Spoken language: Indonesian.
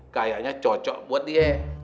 kayaknya cocok buat dia